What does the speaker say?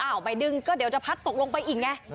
ใบดึงก็เดี๋ยวจะพัดตกลงไปอีกไง